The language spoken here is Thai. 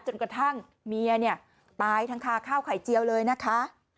จนกระทั่งเมียเนี่ยตายทั้งคาข้าวไข่เจียวเลยนะคะ